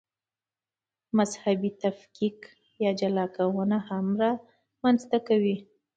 مذهبي تفکیک یا جلاکونه هم رامنځته کوي.